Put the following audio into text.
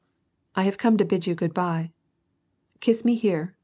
127 "I have come to bid you good by." "Kiss me here."